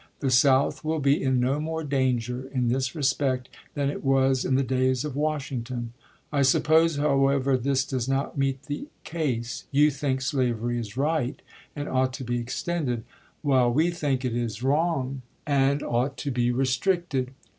The South would be in no more danger in this respect than it was in the days of Washington. I suppose, however, this does not meet the case. You think slavery is right and ought to be extended, while we think it is wrong ■Jt'.C. 272 ABKAHAM LINCOLN ch. xvii. and ought to be restricted.